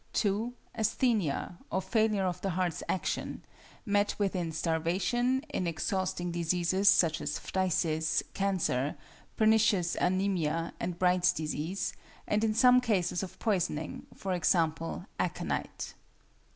(2) Asthenia, or failure of the heart's action, met with in starvation, in exhausting diseases, such as phthisis, cancer, pernicious anæmia, and Bright's disease, and in some cases of poisoning for example, aconite.